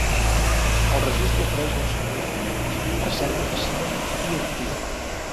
El registre ofereix dos serveis diferents: recerca passiva i activa.